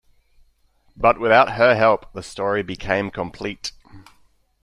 But without her help the story became complete.